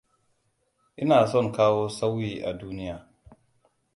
Ina son kawo sauyii a duniya.